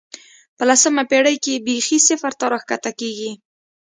په لسمه پېړۍ کې بېخي صفر ته راښکته کېږي.